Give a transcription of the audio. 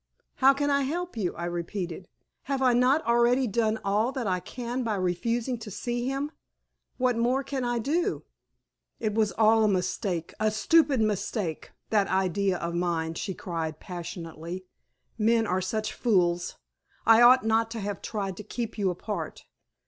"How can I help you?" I repeated. "Have I not already done all that I can by refusing to see him? What more can I do?" "It was all a mistake a stupid mistake, that idea of mine," she cried, passionately. "Men are such fools. I ought not to have tried to keep you apart.